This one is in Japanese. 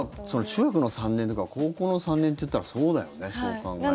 中学の３年とか高校の３年っていったらそうだよね、そう考えると。